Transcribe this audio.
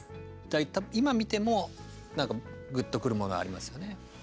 今、見ても、なんかぐっとくるものありますよね。